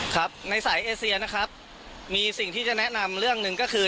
ครับในสายเอเซียนะครับมีสิ่งที่จะแนะนำเรื่องหนึ่งก็คือ